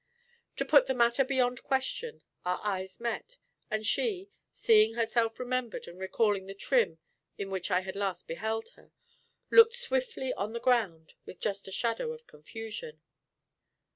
To put the matter beyond question, our eyes met, and she, seeing herself remembered and recalling the trim in which I had last beheld her, looked swiftly on the ground with just a shadow of confusion.